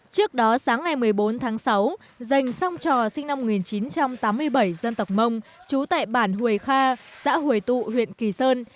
trước đó sáng ngày một mươi bốn tháng sáu dành song trò sinh năm một nghìn chín trăm tám mươi bảy dân tộc mông chú tại bản hủy kha xã hồi tụ huyện kỳ sơn